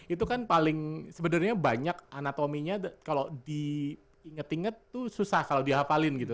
itu kan paling sebenarnya banyak anatominya kalau diinget inget tuh susah kalau dihafalin gitu